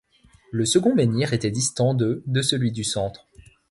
Le second menhir était distant de de celui du centre.